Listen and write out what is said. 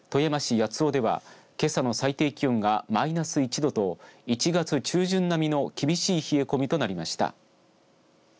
八尾ではけさの最低気温がマイナス１度など１月中旬並みの厳しい冷え込みとなりました。